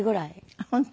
あっ本当。